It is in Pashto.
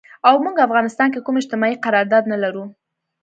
او مونږ افغانستان کې کوم اجتماعي قرارداد نه لرو